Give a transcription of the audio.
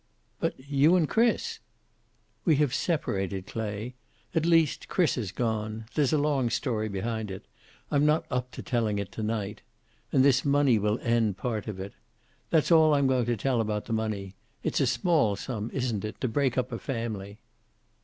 "But you and Chris " "We have separated, Clay. At least, Chris has gone. There's a long story behind it. I'm not up to telling it to night. And this money will end part of it. That's all I'm going to tell about the money. It's a small sum, isn't it, to break up a family!"